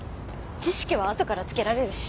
知識はあとからつけられるし。